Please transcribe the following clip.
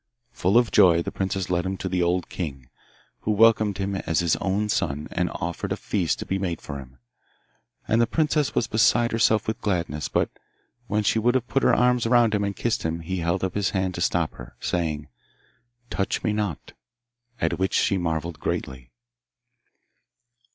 Full of joy, the princess led him to the old king, who welcomed him as his own son, and ordered a feast to be made for him. And the princess was beside herself with gladness, but when she would have put her arms round him and kissed him he held up his hand to stop her, saying, 'Touch me not,' at which she marvelled greatly.